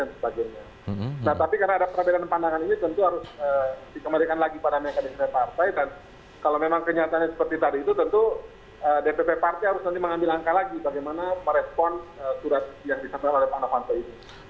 nah tapi karena ada perbedaan pandangan ini tentu harus dikembalikan lagi pada mekanisme partai dan kalau memang kenyataannya seperti tadi itu tentu dpp partai harus nanti mengambil langkah lagi bagaimana merespon surat yang disampaikan oleh pak novanto ini